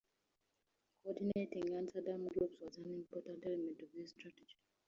Coordinating anti-Saddam groups was an important element of this strategy.